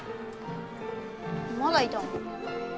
まだいたの？